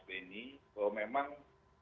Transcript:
beni bahwa memang